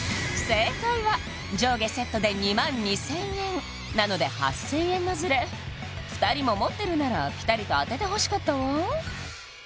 正解は上下セットで２万２０００円なので８０００円のズレ２人も持ってるならピタリと当ててほしかったわ